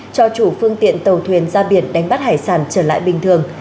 cho chủ phương tiện tàu thuyền ra biển đánh bắt hải sản trở lại bình thường